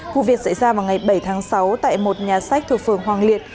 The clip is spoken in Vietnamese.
vụ việc xảy ra vào ngày bảy tháng sáu tại một nhà sách thuộc phường hoàng liệt